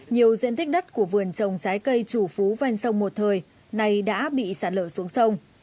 nhiều diện tích đất của vườn trồng trái cây chủ phú ven sông một thời nay đã bị sạt lở xuống sông